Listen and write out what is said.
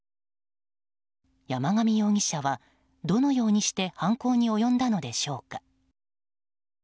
山上容疑者は、どのようにして犯行におよんだのでしょうか。